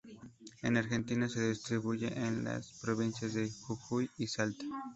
En la Argentina se distribuye en las provincias de: Jujuy y Salta.